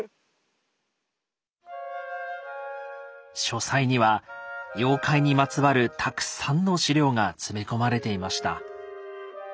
書斎には妖怪にまつわるたくさんの資料が詰め込まれていました。